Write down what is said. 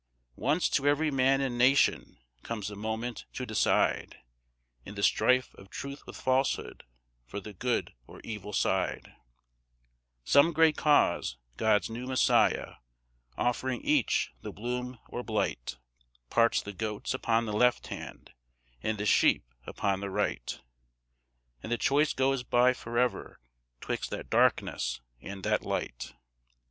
Once to every man and nation comes the moment to decide, In the strife of Truth with Falsehood, for the good or evil side; Some great cause, God's new Messiah, offering each the bloom or blight, Parts the goats upon the left hand, and the sheep upon the right, And the choice goes by forever 'twixt that darkness and that light.